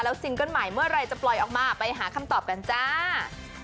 ซิงเกิ้ลใหม่เมื่อไหร่จะปล่อยออกมาไปหาคำตอบกันจ้า